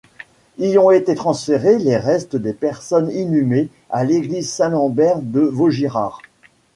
Y ont été transférés les restes des personnes inhumées à l'église Saint-Lambert de Vaugirard.